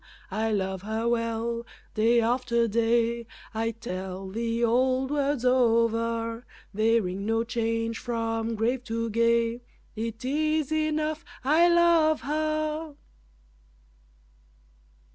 I love her well, day after day I tell the old words over, They ring no change from grave to gay, It is enough I love her!